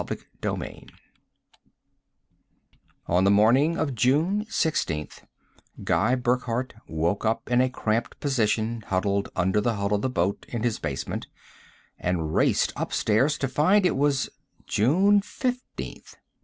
III On the morning of June 16th, Guy Burckhardt woke up in a cramped position huddled under the hull of the boat in his basement and raced upstairs to find it was June 15th.